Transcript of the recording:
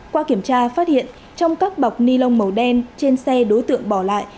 qua kiểm tra phát hiện trong các bọc ni lông màu đen trên xe đối tượng bỏ lại